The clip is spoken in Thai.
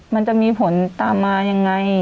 มันจะมีผลตามมายังไง